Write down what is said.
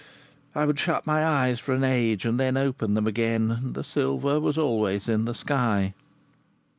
I would shut my eyes for an age, and then open them again, and the silver was always in the sky.